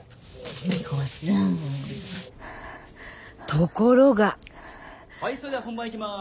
ところがはいそれでは本番いきます。